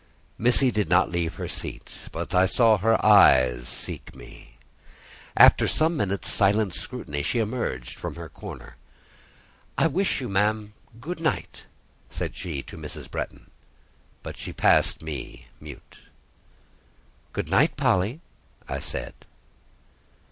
Missy did not leave her seat, but I saw her eyes seek me. After some minutes' silent scrutiny, she emerged from her corner. "I wish you, ma'am, good night," said she to Mrs. Bretton; but she passed me mute. "Good night, Polly," I said.